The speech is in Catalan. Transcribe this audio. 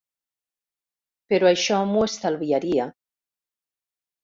Però això m'ho estalviaria.